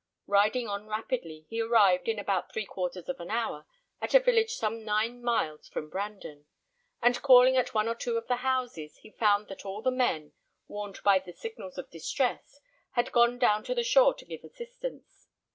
Riding on rapidly, he arrived, in about three quarters of an hour, at a village some nine miles from Brandon; and calling at one or two of the houses, he found that all the men, warned by the signals of distress, had gone down to the shore to give assistance.